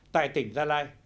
tại tỉnh gia lai